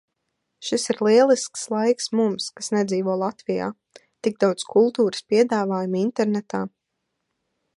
Šis ir lielisks laiks mums, kas nedzīvo Latvijā. Tik daudz kultūras piedāvājumu internetā.